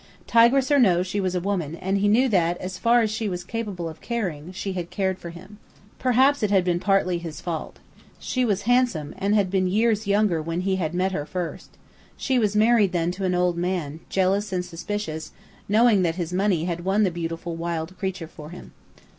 Tigress or no, she was a woman, and he knew that, as far as she was capable of caring, she had cared for him. Perhaps it had been partly his fault. She was handsome, and had been years younger when he had met her first. She was married then to an old man, jealous and suspicious, knowing that his money had won the beautiful wild creature for him.